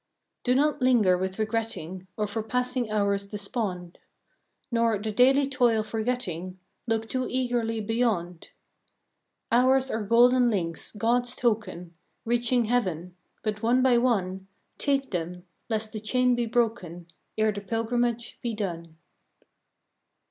Do not linger with regretting, Or for passing hours despond ; Nor, the daily toil forgetting, Look too eagerly beyond. Hours are golden links, God's token, Reaching heaven ; but one by one Take them, lest the chain be broken Ere the pilgrimage be done.